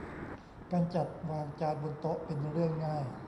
การจัดวางจานบนโต๊ะเป็นเรื่องง่าย